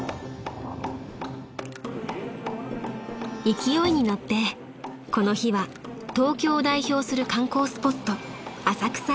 ［勢いに乗ってこの日は東京を代表する観光スポット浅草へ］